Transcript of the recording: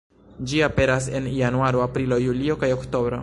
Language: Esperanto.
Ĝi aperas en Januaro, Aprilo, Julio kaj Oktobro.